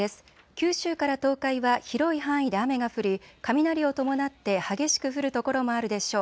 九州から東海は広い範囲で雨が降り雷を伴って激しく降る所もあるでしょう。